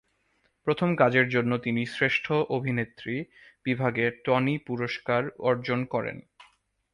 প্রথম কাজের জন্য তিনি শ্রেষ্ঠ অভিনেত্রী বিভাগে টনি পুরস্কার অর্জন করেন।